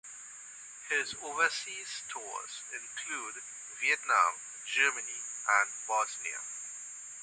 His overseas tours include Vietnam, Germany and Bosnia.